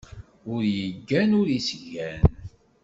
Ur yeggan, ur yesgan.